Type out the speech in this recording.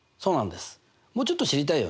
もうちょっと知りたいよね？